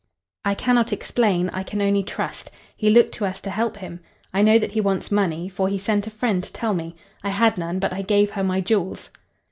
"I cannot explain I can only trust. He looked to us to help him. I know that he wants money, for he sent a friend to tell me. I had none, but I gave her my jewels.